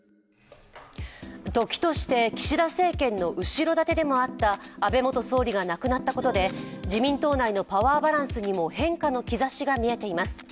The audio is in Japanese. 時として岸田政権の後ろ盾でもあった安倍元総理が亡くなったことで自民党内のパワーバランスにも変化の兆しが見えています。